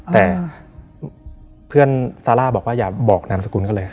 แต่เพื่อนซาร่าบอกว่าอย่าบอกนามสกุลก็เลย